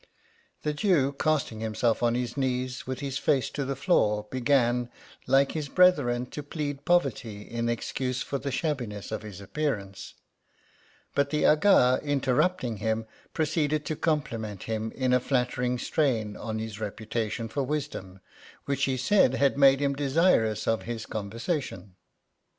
The Jew, casting himself on his knees, with his face to the floor, began, like his brethren, to plead poverty in excuse for the shabbiness of his appearance ; but the Aga, interrupting him, proceeded to compliment him in a flattering strain on his reputa tion for wisdom, which he said had made him desirous of liis conversa tion.